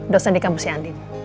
dosen di kampusnya andin